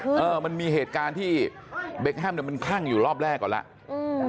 เออมันมีเหตุการณ์ที่เบคแฮมเนี้ยมันคลั่งอยู่รอบแรกก่อนแล้วอืม